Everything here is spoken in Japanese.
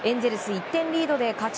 １点リードで勝ち